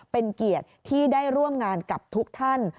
เป็นเกียรติที่ได้ร่วมงานกับทุกท่าน